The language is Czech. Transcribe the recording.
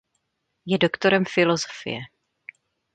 Je doktorem filosofie.